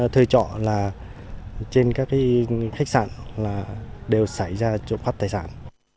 thuê trọ là trên các khách sạn đều xảy ra trộm cắp tài sản